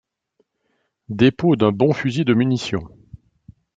Dépôt d'un bon fusil de munition.